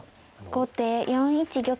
後手４一玉。